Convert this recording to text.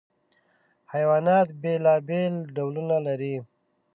حیوانات بېلابېل ډولونه لري.